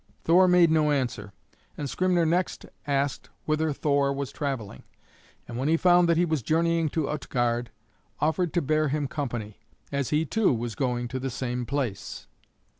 Thor made no answer, and Skrymner next asked whither Thor was traveling; and when he found that he was journeying to Utgard, offered to bear him company, as he too was going to the same place.